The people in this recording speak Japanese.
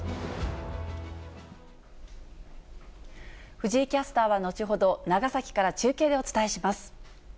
藤井キャスターは後ほど、長崎から中継でお伝えします。